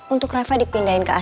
untuk reva dipindahin ke asrama